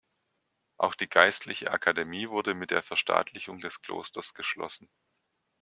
Auch die Geistliche Akademie wurde mit der Verstaatlichung des Klosters geschlossen.